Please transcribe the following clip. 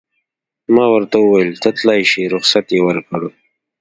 ما ورته وویل: ته تلای شې، رخصت یې ورکړ.